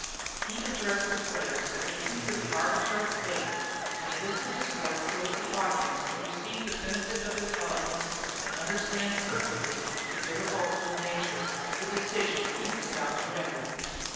He addressed the players as if he were the arbiter of fate, and he lifted his voice so that the audience could receive the benefit of his eloquence and understand perfectly the irrevocable nature of the decision he was about to render.